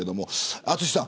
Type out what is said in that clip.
淳さん